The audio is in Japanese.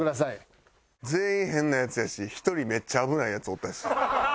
全員変なヤツやし１人めっちゃ危ないヤツおったし。